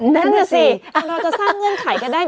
นั่นแหละสิเราจะสร้างเงื่อนไขกันได้